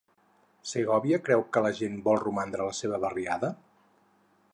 Segovia creu que la gent vol romandre a la seva barriada?